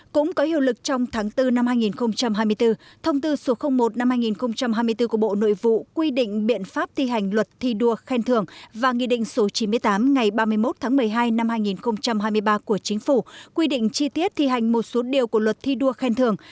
cũng có hiệu lực trong tháng bốn năm hai nghìn hai mươi bốn thông tư số một năm hai nghìn hai mươi bốn của bộ nội vụ quy định biện pháp thi hành luật thi đua khen thường và nghị định số chín mươi tám ngày ba mươi một tháng một mươi hai năm hai nghìn hai mươi ba của chính phủ quy định chi tiết thi hành một số điều của luật thi đua khen thường